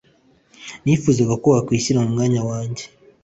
nifuzaga ko wakwishyira mu mwanya wanjye